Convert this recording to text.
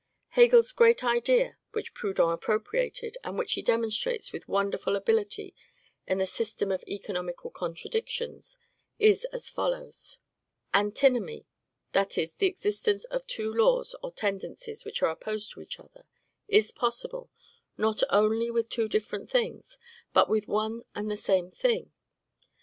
Hegel's great idea, which Proudhon appropriated, and which he demonstrates with wonderful ability in the "System of Economical Contradictions," is as follows: Antinomy, that is, the existence of two laws or tendencies which are opposed to each other, is possible, not only with two different things, but with one and the same thing.